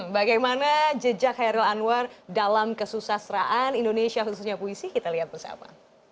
bagaimana jejak hairil anwar dalam kesusasraan indonesia khususnya puisi kita lihat bersama